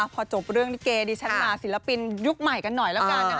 พอจบเรื่องลิเกดิฉันมาศิลปินยุคใหม่กันหน่อยแล้วกันนะคะ